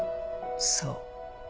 そう。